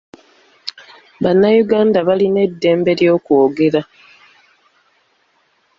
Bannayuganda balina eddembe ly'okwogera.